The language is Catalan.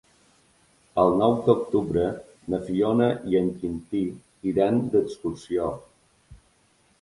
El nou d'octubre na Fiona i en Quintí iran d'excursió.